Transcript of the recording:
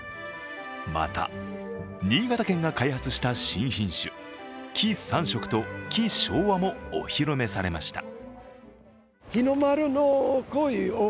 また、新潟県が開発した新品種、黄三色と黄昭和もお披露目されました。